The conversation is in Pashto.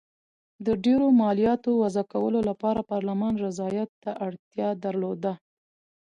د ډېرو مالیاتو وضعه کولو لپاره پارلمان رضایت ته اړتیا درلوده.